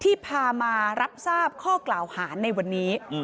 ที่พามารับทราบข้อกล่าวหาในวันนี้